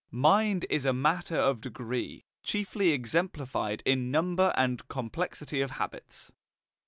Mind is a matter of degree, chiefly exemplified in number and complexity of habits.